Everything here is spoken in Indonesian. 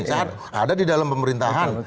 saat ada di dalam pemerintahan